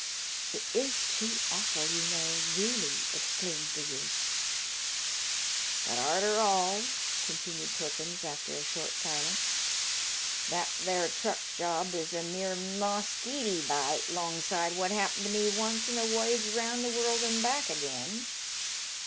" It is too awful, you know, really," exclaimed the youth. "But arter all," continued Perkins after a short silence, " that there truck job is a mere moskeetee bite 'longside what happened to me once in a woyage round the world an' back agin.